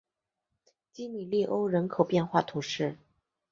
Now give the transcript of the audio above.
基米利欧人口变化图示